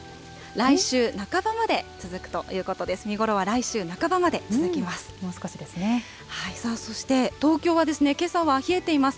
来週半ばまで続くということです、見頃は来週半ばまで続きます。